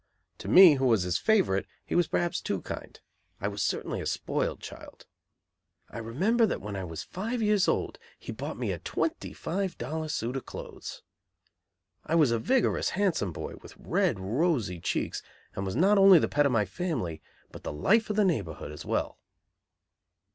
To me, who was his favorite, he was perhaps too kind. I was certainly a spoiled child. I remember that when I was five years old he bought me a twenty five dollar suit of clothes. I was a vigorous, handsome boy, with red, rosy cheeks and was not only the pet of my family, but the life of the neighborhood as well.